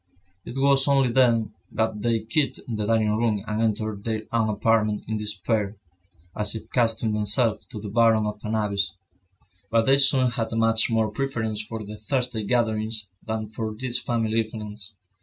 It was only then that they quitted the dining room and entered their own apartment in despair, as if casting themselves to the bottom of an abyss. But they soon had much more preference for the Thursday gatherings, than for these family evenings.